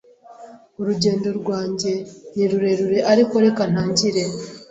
urugendo rwanjye ni rurerure ariko reka ntangire